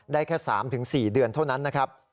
ได้แค่๓๔เดือนเท่านั้นนะครับ